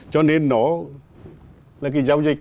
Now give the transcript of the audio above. cho nên nó là cái giao dịch